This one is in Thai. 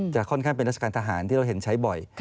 ค่อนข้างเป็นราชการทหารที่เราเห็นใช้บ่อย